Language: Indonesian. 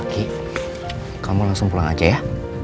ki kamu langsung pulang aja ya